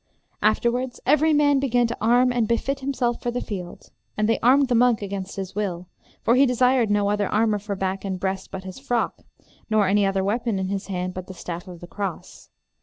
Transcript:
Afterwards every man began to arm and befit himself for the field. And they armed the monk against his will; for he desired no other armour for back and breast but his frock, nor any other weapon in his hand but the staff of the cross.